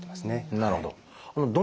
なるほど。